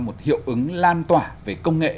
một hiệu ứng lan tỏa về công nghệ